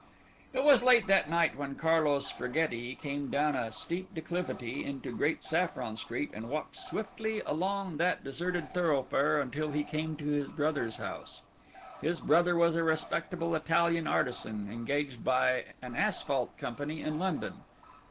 It was late that night when Carlos Freggetti came down a steep declivity into Great Saffron Street and walked swiftly along that deserted thoroughfare till he came to his brother's house. His brother was a respectable Italian artisan, engaged by an asphalt company in London.